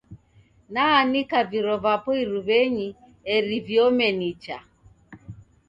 Naanika viro vapo iruw'enyi eri viome nicha.